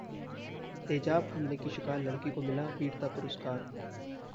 तेजाब हमले की शिकार लड़की को मिला वीरता पुरस्कार